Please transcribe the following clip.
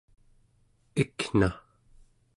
ikna